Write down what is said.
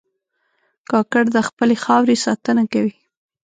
کاکړ د خپلې خاورې ساتنه کوي.